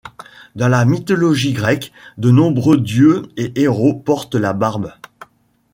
Dans la mythologie grecque, de nombreux dieux et héros portent la barbe.